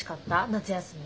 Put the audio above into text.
夏休み。